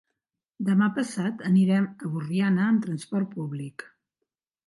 Demà passat anirem a Borriana amb transport públic.